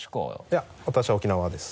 いや私は沖縄です。